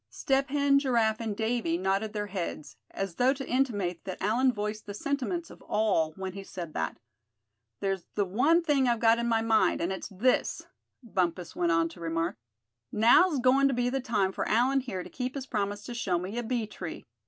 Step Hen, Giraffe and Davy nodded their heads, as though to intimate that Allan voiced the sentiments of all when he said that. "There's one thing I've got in my mind, and it's this," Bumpus went on to remark. "Now's goin' to be the time for Allan here to keep his promise to show me a bee tree.